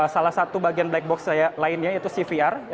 salah satu bagian black box lainnya yaitu cvr